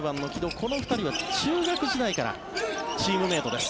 この２人は中学時代からチームメートです。